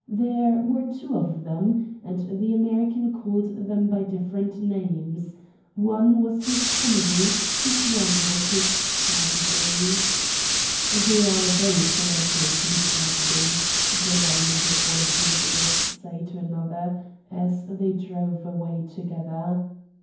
There were two of them, and the American called them by different names: one was his comedy and one was his tragedy. "They are both likely to be tragedies," the Lion heard one of the visitors say to another, as they drove away together.